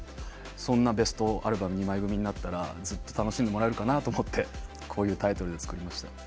そんな２枚組のベストアルバムになったら楽しんでもらえるかなと思ってこういうタイトルをつけました。